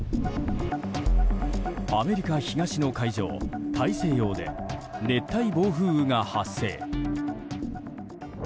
アメリカ東の海上、大西洋で熱帯暴風雨が発生。